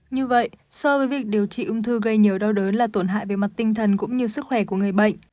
như vậy so với việc điều trị ung thư gây nhiều đau đớn là tổn hại về mặt tinh thần cũng như sức khỏe của người bệnh